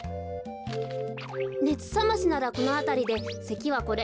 ねつさましならこのあたりでせきはこれ。